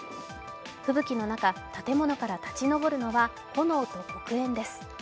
吹雪の中、建物から立ち上るのは炎と黒煙です。